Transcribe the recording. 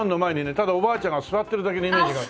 ただおばあちゃんが座ってるだけのイメージが。